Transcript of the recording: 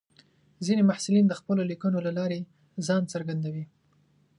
ځینې محصلین د خپلو لیکنو له لارې ځان څرګندوي.